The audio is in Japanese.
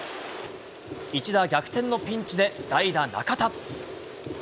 一打逆転のピンチで、代打、中田。